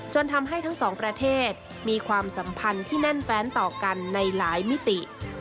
ทำให้ทั้งสองประเทศมีความสัมพันธ์ที่แน่นแฟนต่อกันในหลายมิติ